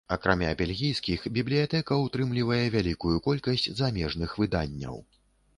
Акрамя бельгійскіх, бібліятэка ўтрымлівае вялікую колькасць замежных выданняў.